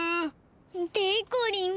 でこりん！